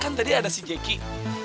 kan tadi ada si jekik